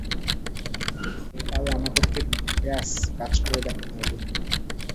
তাই আমাদেরকে ব্যাস কাজ করে দেখাতে হবে।